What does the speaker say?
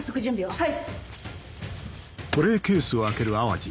はい。